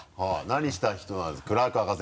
何した人なんですか？